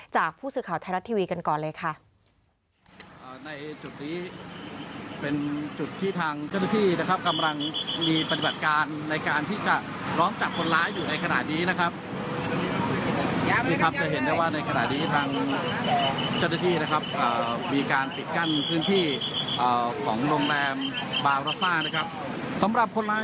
จากผู้สื่อข่าวไทยรัฐทีวีกันก่อนเลยค่ะ